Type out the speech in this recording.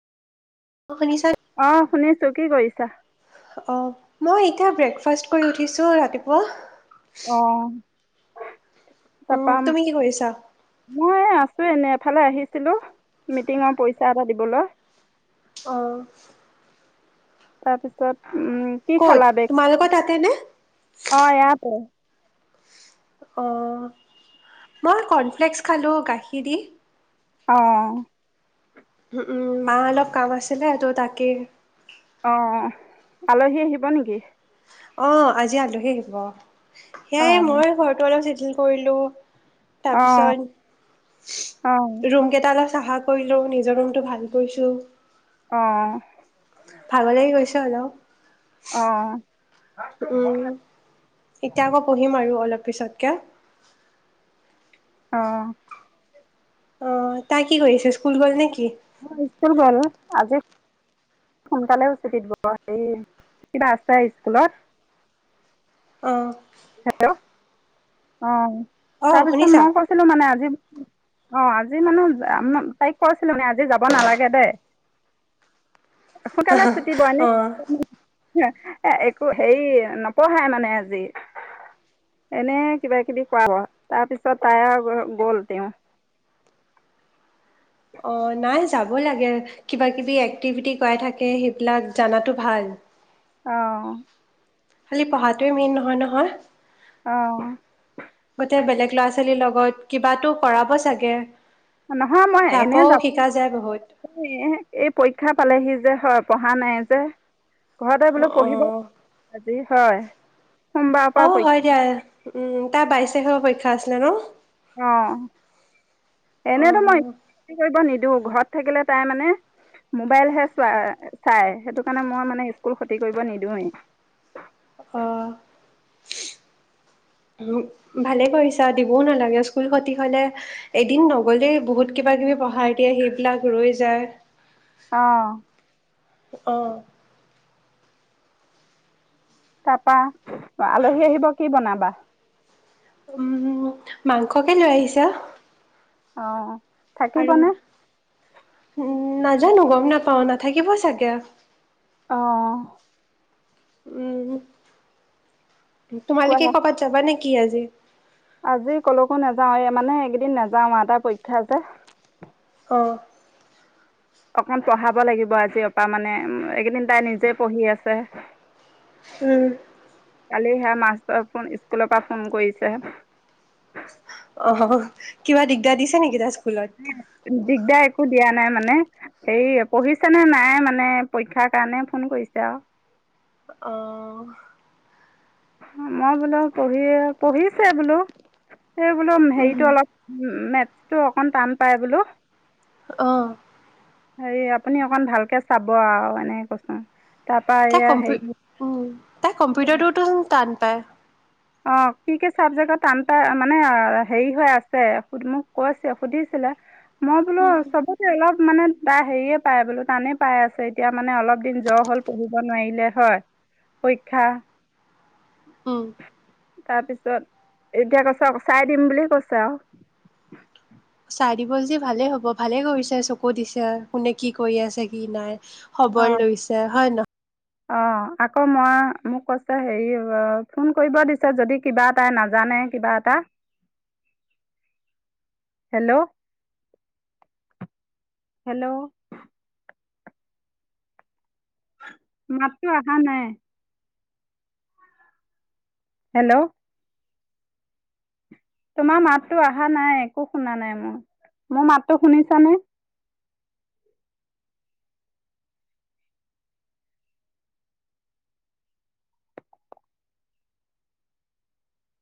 অ', শুনিছা? অ শুনিছোঁ ত কি কৰিছা? অ মই এতিয়া ব্ৰেকফাষ্ট কৰি উঠিছো ৰাতিপুৱা। অ উম তাৰপা তুমি কি কৰিছা? মই আছো এনে এফালে আহিছিলো মিটিঙৰ পইচা এটা দিবলৈ। অহ তাৰপিছত উম কি ক'ত খালা ব্ৰেকট, তোমালোকৰ তাতে নে? অহ ইয়াতে অহ মই কৰ্ণফ্লেক্স খালো গাখীৰ দি। অহ উহো উম মা অলপ কাম আছিলে, তহ তাকেই অহ আলহী আহিব নেকি? অহ আজি আলহি আহিব। অ সেয়াই মই ঘৰটো অলপ চিজিল কৰিলো অ অ তাৰপিছত ৰুম কেইটা চাফা কৰিলো নিজৰ ৰুমতটো ভাল কৰিছো। অহ ভাগৰ লাগি গৈছে অ অ অলপ। উম এতিয়া আকৌ পঢ়িম আৰু অলপ তাৰপিছতকে অহ অহ তাই কি কৰিছে? স্কুল গ'ল নেকি? অহ স্কুল গ'ল আজি সোনকালে চুটি দিব হেৰি কিবা আছে স্কুলত অহ হেল্ল' অহ অ তাৰ পিছত শুনিছা মই কৈছিলো মানে আজি অহ আজি মানে তাইক কৈছিলো যে আজি যাব নালাগে দেই সোনকালে ছুটি দিয়া অ নেকি এহ একো হেৰি নপঢ়াই মানে আজি এনে কিবা কিবি কৰাব তাৰ পিছত তাই গ'ল তেওঁ অহ নাই যাবই লাগে কিবা কিবি এক্টিভিটি কৰাই থাকে সেইবিলাক জনাটো ভাল। অহ খালি পঢ়াতোৱে মেইন নহয় নহয় অ গোটেই বেলেগ ল'ৰা ল'ৰা-ছোৱালীৰ লগত কিবাতো কৰাব চাগে? নহয় মই এনে সেয়াপাও যাব শিকা যায় বহুত এই পৰীক্ষা পালেহি যে হয় পঢ়া নাই যে ঘৰতে বোলো পঢ়িব আজি হয় সোমবাৰৰ পৰা অহ পৰীক্ষা হয় দিয়া উম তাৰ বাইশ তাৰিখৰ পৰা পৰীক্ষা খাই আছিলে ন অহ', অ এনেতো মই কতি [unintelligible] কৰিব নিদিওঁ। ঘৰত থাকিলে তাই মানে মোবাইলহে চোৱা চাই সেইটো কাৰণে মই মানে স্কুল ক্ষতি কৰিব নিদিওঁৱেই। অহ', ভালে কৰিছা দিবও নালাগে স্কুল সতি হলে এদিন নগলেই বহুত কিবা কিবি পঢ়াৰ দিয়ে সেইবিলাক ৰৈ যায়। অ অহ', তাৰপা আলহী আহিব কি বনাবা? উম', মাংসকে লৈ আহিছা। অহ', আৰু উম', নাজানো গম নাপাও নাথাকিব চাগে। অহ', উম', তোমালোকে কোৱা ক'বাত যাব নেকি? কি আজি? আজি ক'লেকো নাযাও এই মানে এইকেইদিন নাযাও ইহঁতৰ পৰীক্ষা যে। অহ', অকন পঢ়াব লাগিব আজিৰ পৰা মানে এইকেইদিন তাই নিজে পঢ়ি আছে। উম', কালি হে মাষ্টৰ ফোন স্কুলৰ পৰা ফোন কৰিছে। তে দিছে নেকি দাস। দিগদাৰ একো দিয়া নাই মানে। এই পঢ়িছে নে নাই মানে পৰীক্ষাৰ কাৰণে ফোন কৰিছে আৰু। অহ', মই বোলো পঢ়ি -পঢ়িছে বোলো। সেই বোলো উম, হেৰিতটো অলপ উম', মেথ তো অকন টান পাই বোলো। অহ', হেৰি আপুনি অকন ভালকে চাব আৰু এনে কৈছে। তাই কম্পি উম', তাই কম্পিউটাৰটোতো টান পায়। অহ', কি-কি চাবজেক্টত টান মানে হেৰি হৈ আছে মোক কৈছে সুধিছিলে। মই বোলো উম, সবতে অলপ। মানে তাৰ হেৰিয়ে পাই বোলো টানে পাই আছে এতিয়া মানে অলপ দিন জ্বৰ হ'ল পঢ়িব নোৱাৰিলে। হয়', পৰীক্ষা অহ', তাৰপিছত এতিয়া কৈছ চাই দিম বুলি কৈছে আৰু। চাইদিব যদি ভালেই হ'ব ভালে কৰিছে চকু দিছে কোনে কি কৰি আছে কি নাই। খবৰ লৈছে হয় নহ। অহ', আকৌ মই মোক কৈছে হেৰি অহ', ফোন কৰিব দিছে যদি কিবা এটাই নাজানে কিবা এটা। হেল্ল', -হেল্ল', মাতটো আহা নাই। হেল্ল', তোমাৰ মাততো অহা নাই একো শুনা নাই মই। মোৰ মাতটো শুনিছানে?